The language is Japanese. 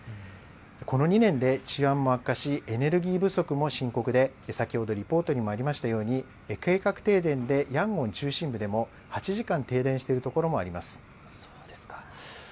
この２年で治安も悪化し、エネルギー不足も深刻で、先ほどリポートにもありましたように、計画停電でヤンゴン中心部でも、８時間そうですか。